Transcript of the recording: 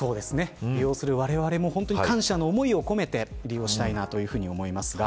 利用するわれわれも、感謝の思いを込めて利用したいなと思います。